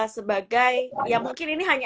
sebagai ya mungkin ini hanya